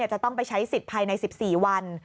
จะต้องไปใช้สิทธิ์ภายใน๑๔วัน